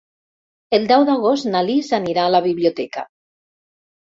El deu d'agost na Lis anirà a la biblioteca.